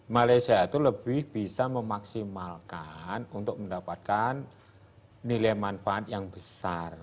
malaysia itu lebih bisa memaksimalkan untuk mendapatkan nilai manfaat yang besar